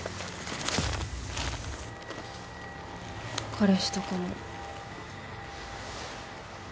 彼氏とかも。